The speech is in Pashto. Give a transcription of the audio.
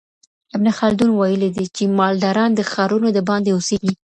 ابن خلدون ويلي دي چي مالداران د ښارونو دباندې اوسيږي.